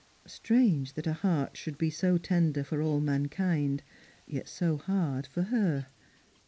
" Strange that a heart should be so tender for all mankind, yet 80 hard for her.